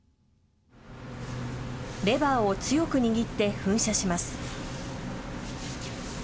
レバーを強く握って噴射します。